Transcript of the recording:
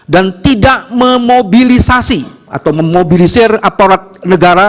dan tidak memobilisasi atau memobilisir aparat negara